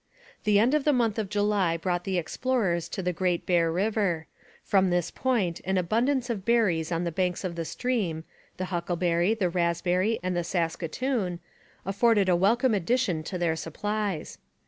The end of the month of July brought the explorers to the Great Bear river; from this point an abundance of berries on the banks of the stream the huckleberry, the raspberry and the saskatoon afforded a welcome addition to their supplies.